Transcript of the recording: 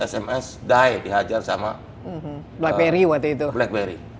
sms die dihajar sama blackberry